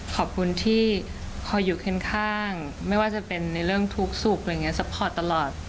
ขอบคุณที่คอยอยู่ข้างไม่ว่าจะเป็นในเรื่องทุกข์สุขอะไรอย่างนี้ซัพพอร์ตตลอด